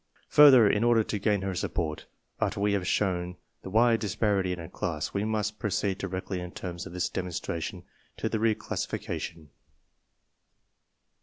Further, in order to gain her support, after we have shown the wide disparity in a class, we must pro ceed directly in terms of this demonstration to the re classification.